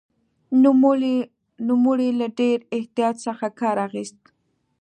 نوموړي له ډېر احتیاط څخه کار اخیست.